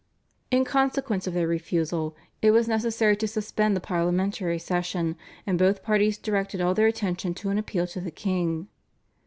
In consequence of their refusal it was necessary to suspend the parliamentary session, and both parties directed all their attention to an appeal to the king.